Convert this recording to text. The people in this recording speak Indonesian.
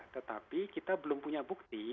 tetapi kita belum punya bukti